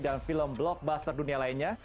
dan film blockbuster dunia lainnya